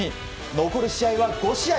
残る試合は５試合。